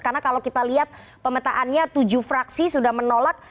karena kalau kita lihat pemetaannya tujuh fraksi sudah menolak